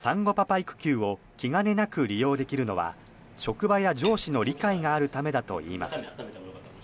夫の捷さんによると産後パパ育休を気兼ねなく利用できるのは職場や上司の理解があるためだといいます。